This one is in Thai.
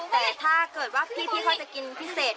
แต่ถ้าเกิดว่าพี่เขาจะกินพิเศษ